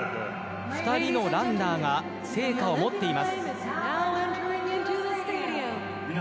２人のランナーが聖火を持っています。